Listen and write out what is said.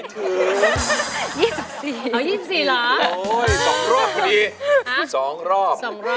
อายุ๒๔ปีวันนี้บุ๋มนะคะ